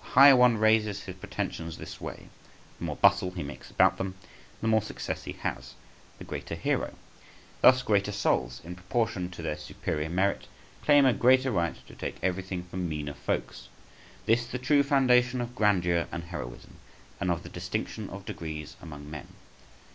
The higher one raises his pretensions this way, the more bustle he makes about them, and the more success he has, the greater hero. Thus greater souls, in proportion to their superior merit, claim a greater right to take everything from meaner folks. This the true foundation of grandeur and heroism, and of the distinction of degrees among men.